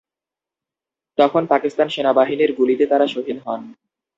তখন পাকিস্তান সেনাবাহিনীর গুলিতে তারা শহীদ হন।